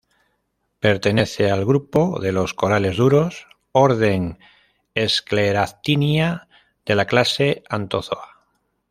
Pertenece al grupo de los corales duros, orden Scleractinia, de la clase Anthozoa.